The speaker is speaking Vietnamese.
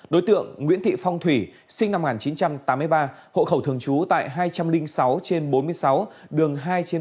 đối tượng nguyễn thị phong thủy sinh năm một nghìn chín trăm tám mươi ba hộ khẩu thường trú tại hai trăm linh sáu trên bốn mươi sáu đường hai trên ba